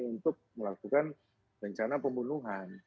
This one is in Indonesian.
untuk melakukan rencana pembunuhan